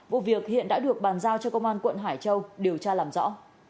vụ việc hiện đã được bàn giao cho công an quận hải châu điều tra làm rõ